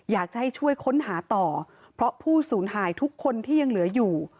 อยากจะให้ช่วยค้นหาต่อเพราะผู้สูญหายทุกคนที่ยังเหลืออยู่